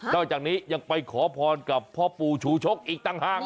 จากนี้ยังไปขอพรกับพ่อปู่ชูชกอีกต่างหาก